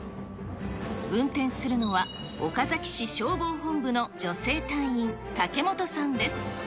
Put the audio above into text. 運転するのは、岡崎市消防本部の女性隊員、竹本さんです。